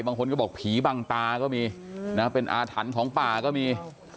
บางคนก็บอกผีบังตาก็มีนะเป็นอาถรรพ์ของป่าก็มี